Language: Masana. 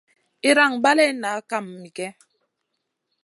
Iyran balley nah kam miguè.